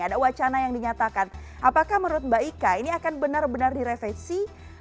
ada wacana yang dinyatakan apakah menurut mbak ika ini akan benar benar direvisi